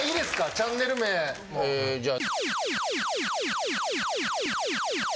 チャンネル名。えじゃあ。